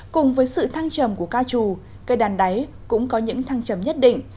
cùng với sự thang trầm của ca trù cây đàn đáy cũng có những thang trầm nhất định